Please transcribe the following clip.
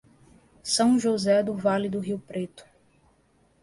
São José do Vale do Rio Preto